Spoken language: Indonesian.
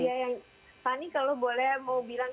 fani kalau boleh mau bilang